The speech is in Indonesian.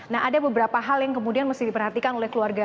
nah ada beberapa hal yang kemudian mesti diperhatikan oleh keluarga